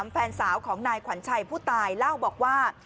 แฟนสาวของนายขวัญชัยผู้ตายเล่าบอกว่า